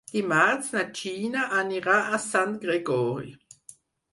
Dimarts na Gina anirà a Sant Gregori.